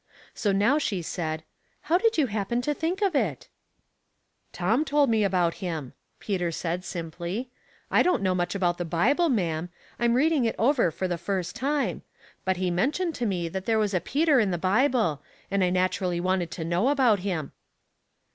So now she said, *' how did you happen to think of it ?" "Tom told me about him," Peter said, simply, *'I don't know much about the Bible, ma'am. Fm reading it over for the first time ; but he mentioned to me that there was a Peter ia the Bible, and I naturally wanted to know about him."